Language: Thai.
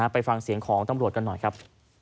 ไปฟังเสียงของตำรวจกันหน่อยครับ